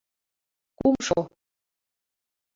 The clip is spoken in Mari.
Кумшо...».